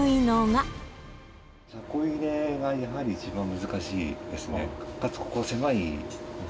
車庫入れがやはり一番難しいですね。